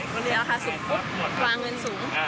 เป็นราคาสูงปุ๊บกวางเงินสูง